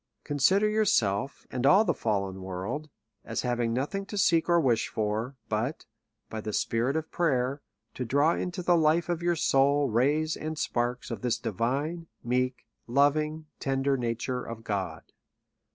Consider your self, and all the fallen world, as having nothing to seek or wish for, but, by the spirit of prayer, to draw into the life of your soul rays and sparks of this divine, meek, loving, tender nature of God.